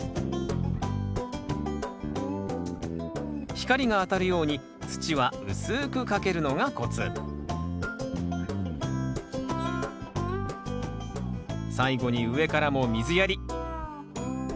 光が当たるように土は薄くかけるのがコツ最後に上からも水やり。